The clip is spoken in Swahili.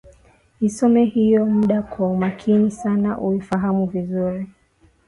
isome hiyo mada kwa umakini sana uifahamu vizuri